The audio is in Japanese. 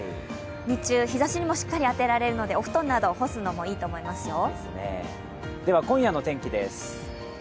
日中、日ざしにもしっかり当てられるのでお布団など干すのもいいと思いますよ。